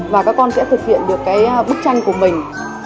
và các con sẽ thực hiện được cái bức tranh của mình